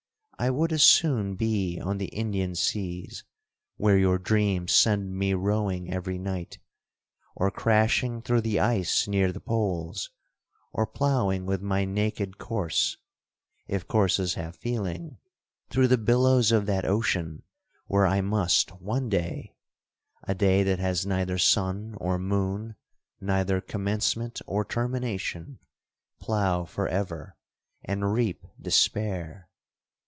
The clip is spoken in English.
I would as soon be on the Indian seas, where your dreams send me rowing every night, or crashing through the ice near the Poles, or ploughing with my naked corse, (if corses have feeling), through the billows of that ocean where I must one day (a day that has neither sun or moon, neither commencement or termination), plough forever, and reap despair!'